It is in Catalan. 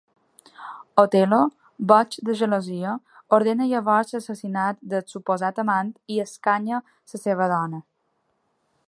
Otel·lo, boig de gelosia ordena llavors l'assassinat del suposat amant i escanya la seva dona.